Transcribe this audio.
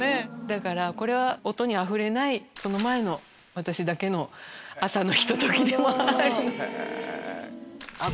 だからこれは音には触れないその前の私だけの朝のひと時でもある。